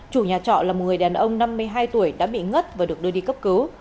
chủ nhà trọ là một người đàn ông năm mươi hai tuổi đã bị ngất và được đưa đi cấp cứu